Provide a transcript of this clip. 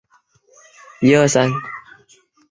珠光月华螺为阿地螺科月华螺属的动物。